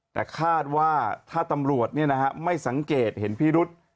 แต่คาดว่าถ้าตำรวจเนี่ยนะฮะไม่สังเกตเห็นพี่รุษ